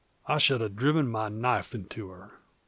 I should have driven my knife into her.